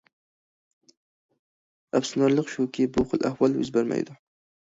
ئەپسۇسلىنارلىقى شۇكى، بۇ خىل ئەھۋال يۈز بەرمەيدۇ.